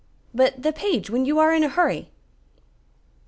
"But the page when you are in a hurry?"